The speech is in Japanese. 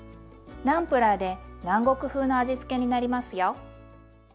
ナンプラーで南国風の味付けになりますよ。